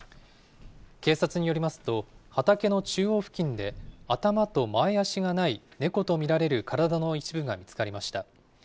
警察によりますと、畑の中央付近で頭と前足がない猫と見られる体の一部が見つかりました。